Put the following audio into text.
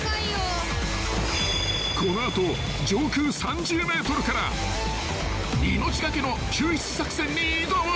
［この後上空３０ｍから命懸けの救出作戦に挑む］